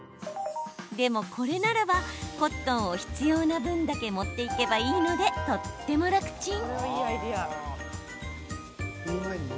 でも、これならばコットンを必要な分だけ持って行けばいいのでとっても楽ちん。